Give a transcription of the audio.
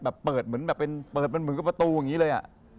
แบบเปิดเหมือนเปิดเป็นเหมือนกับประตูอย่างนี้เลย